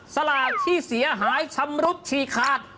สลากที่เสียหายชำรุดฉี่ขาด